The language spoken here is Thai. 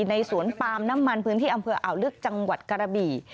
ในสวนปาล์มน้ำมันพื้นที่อำเภออ่าวลึกจังหวัดกระบี่